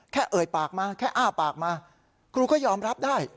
เอ่ยปากมาแค่อ้าปากมาครูก็ยอมรับได้